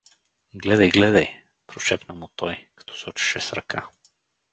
— Гледай, гледай! — пришепна му той, като сочеше с ръка.